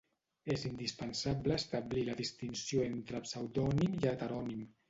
És indispensable establir la distinció entre pseudònim i heterònim.